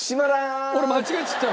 俺間違えちゃった。